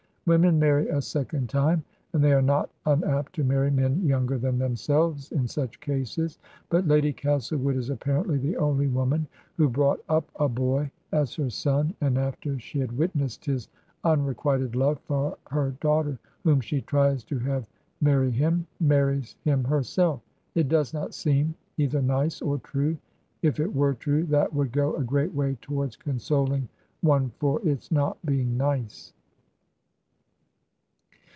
Women marry a second time, and they are not unapt to marry men younger than themselves in such cases, but Lady Castlewood is apparently the only woman who brought up a boy as her son, and after she had witnessed his unrequited love for her daughter, whom she tries to have marry him, marries him herself. It does not seem either nice or true ; if it were true, that would go a great way towards consoling one for its not being nice.